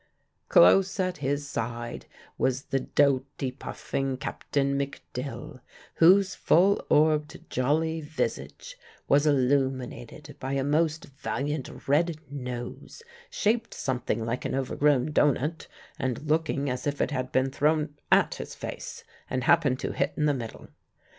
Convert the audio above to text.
Close at his side was the doughty, puffing Captain McDill, whose full orbed, jolly visage was illuminated by a most valiant red nose, shaped something like an overgrown doughnut, and looking as if it had been thrown at his face, and happened to hit in the middle.